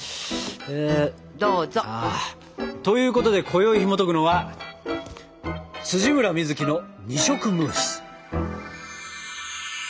どうぞ。ということでこよいひもとくのは「村深月の二色ムース」。